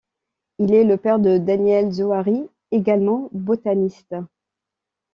Il est le père de Daniel Zohary, également botaniste.